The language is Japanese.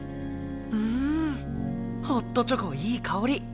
うんホットチョコいい香り。